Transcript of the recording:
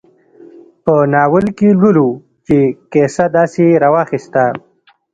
په ناول کې لولو چې کیسه داسې راواخیسته.